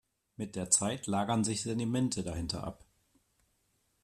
Mit der Zeit lagern sich Sedimente dahinter ab.